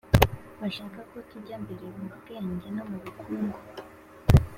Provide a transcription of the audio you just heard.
bashaka ko tujya mbere mu bwenge no mu bukungu,